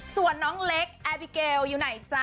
ส่วนน้องเล็กแอร์บิเกลอยู่ไหนจ๊ะ